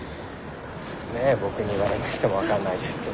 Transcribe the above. ねぇ僕に言われましても分かんないですけど。